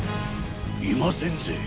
いませんぜ？